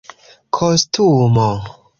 kostumo